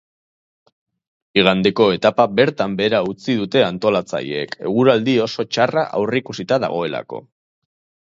Igandeko etapa bertan behera utzi dute antolatzaileek, eguraldi oso txarra aurreikusita dagoelako.